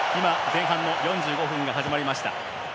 前半４５分が始まりました。